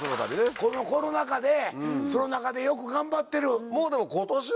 このコロナ禍でその中でよく頑張ってる！